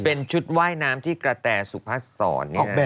เป็นชุดว่ายน้ำที่กระแต่สูบผ้าสอนนี้นะครับ